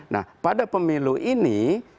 nah pada pemilu ini